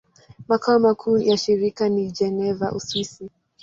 Makao makuu ya shirika ni Geneva, Uswisi.